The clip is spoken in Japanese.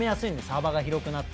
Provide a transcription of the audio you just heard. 幅が広くなって。